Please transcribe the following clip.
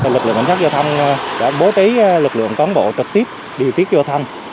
lực lượng cảnh sát giao thông đã bố trí lực lượng cán bộ trực tiếp điều tiết giao thông